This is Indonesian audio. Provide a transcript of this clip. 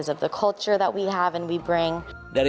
terutama karena kultur yang kita punya dan kita bawa